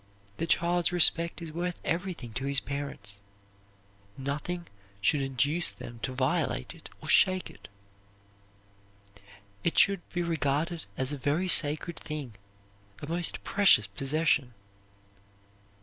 The child's respect is worth everything to his parents. Nothing should induce them to violate it or to shake it. It should be regarded as a very sacred thing, a most precious possession.